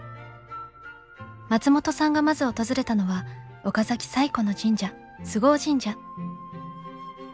松本さんがまず訪れたのは岡崎最古の神社菅生神社。